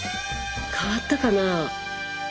変わったかな？